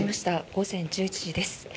午前１１時です。